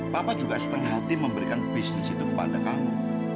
papa juga setengah hati memberikan bisnis itu kepada kamu